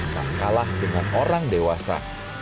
tak kalah dengan orang dewasa